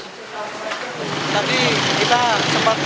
kita tanya atasannya dulu